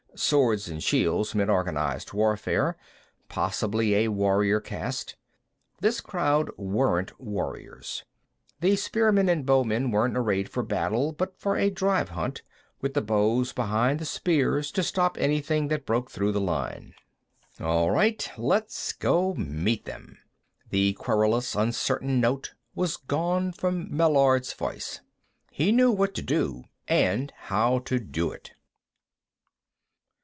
Swords and shields mean organized warfare, possibly a warrior caste. This crowd weren't warriors. The spearmen and bowmen weren't arrayed for battle, but for a drive hunt, with the bows behind the spears to stop anything that broke through the line. "All right; let's go meet them." The querulous, uncertain note was gone from Meillard's voice; he knew what to do and how to do it.